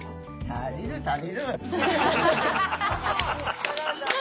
足りる足りる。